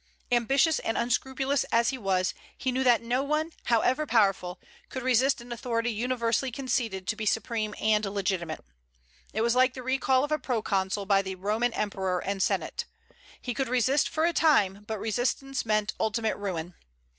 Ambitious and unscrupulous as he was, he knew that no one, however powerful, could resist an authority universally conceded to be supreme and legitimate. It was like the recall of a proconsul by the Roman Emperor and Senate: he could resist for a time, but resistance meant ultimate ruin.